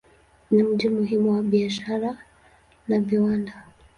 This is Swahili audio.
Ni mji muhimu wa biashara na viwanda.